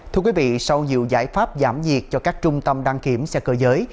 thưa quý vị sau nhiều giải pháp giảm nhiệt cho các trung tâm đăng kiểm xe cơ giới